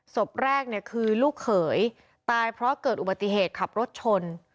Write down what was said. ศพแรกเนี่ยคือลูกเขยตายเพราะเกิดอุบัติเหตุขับรถชน